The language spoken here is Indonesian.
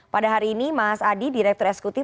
pada hari ini mas adi direktur eksekutif